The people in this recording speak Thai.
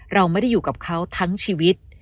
เราไม่ได้อยู่กับเขาทั้งชีวิต